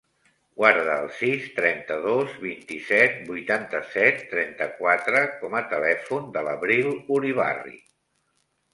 Guarda el sis, trenta-dos, vint-i-set, vuitanta-set, trenta-quatre com a telèfon de l'Abril Uribarri.